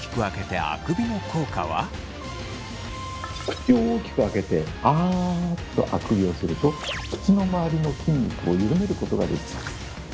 口を大きく開けてあっとあくびをすると口の周りの筋肉を緩めることができます。